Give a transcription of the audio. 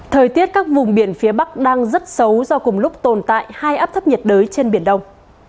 thời tiết các vùng biển phía bắc đang rất xấu do cùng lúc tồn tại hai áp thấp nhiệt đới trên biển đông